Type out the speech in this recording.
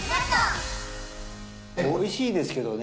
おいしいですけどね